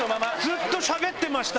ずっとしゃべってました！